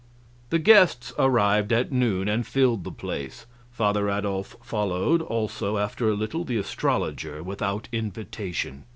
The guests arrived at noon and filled the place. Father Adolf followed; also, after a little, the astrologer, without invitation.